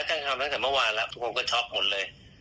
แจ้งความร้ายตั้งแต่เมื่อวานละทุกคนก็ช็อปหมดเลย